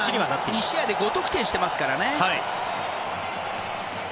２試合で５得点していますからね。